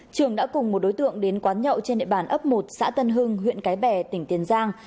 trường đã cùng một đối tượng đến quán nhậu trên địa bàn ấp một xã tân hưng huyện cái bè tỉnh tiền giang